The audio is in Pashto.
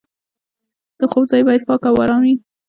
د خوب ځای باید پاک او ارام وي.